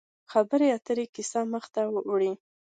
خبرې اترې کیسه مخ ته وړي.